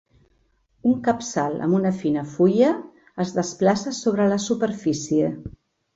Un capçal amb una fina fulla, es desplaça sobre la superfície.